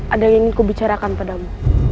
ada yang ingin kubicarakan padamu